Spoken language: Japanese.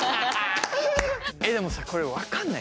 でもさこれ分かんない？